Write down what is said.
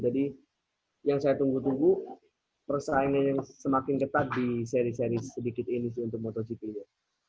jadi yang saya tunggu tunggu persaingannya yang semakin ketat di seri seri sedikit ini sih untuk motogp ya